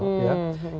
satuan pengawas internal